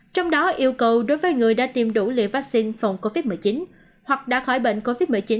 trong đó yêu cầu đối với người đã tiêm đủ liều vaccine phòng covid một mươi chín hoặc đã khỏi bệnh covid một mươi chín